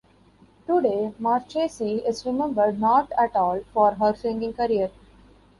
Today, Marchesi is remembered not at all for her singing career.